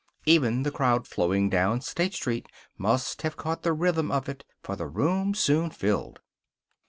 Even the crowd flowing down State Street must have caught the rhythm of it, for the room soon filled.